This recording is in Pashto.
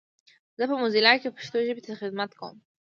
زه په موزیلا کې پښتو ژبې ته خدمت کوم.